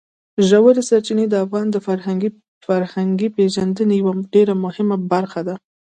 ژورې سرچینې د افغانانو د فرهنګي پیژندنې یوه ډېره مهمه برخه ده.